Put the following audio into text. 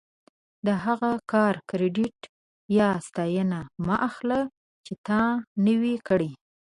د هغه کار کریډیټ یا ستاینه مه اخله چې تا نه وي کړی.